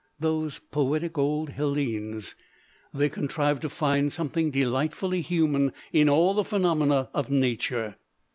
Those poetic old Hellenes! They contrived to find something delightfully human in all the phenomena of nature.